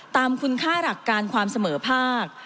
ตามคุณค่าหลักการความเสมอภาค